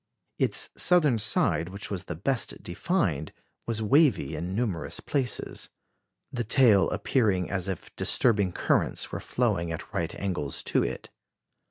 Its southern side, which was the best defined, was wavy in numerous places, the tail appearing as if disturbing currents were flowing at right angles to it.